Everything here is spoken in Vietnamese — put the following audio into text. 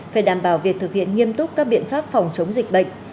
phải đảm bảo việc thực hiện nghiêm túc các biện pháp phòng chống dịch bệnh